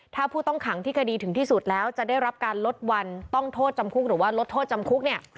ถ้าผู้ต้องขังที่คดีถึงที่สุดแล้วจะได้รับการลดวันต้องโทษจำคุกหรือว่าลดโทษจำคุกเนี่ย